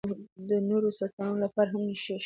د نورو سرطانونو لپاره هم نښې شته.